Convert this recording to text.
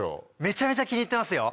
めちゃめちゃ気に入ってますよ。